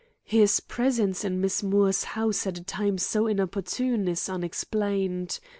His presence in Miss Moore's house at a time so inopportune is unexplained.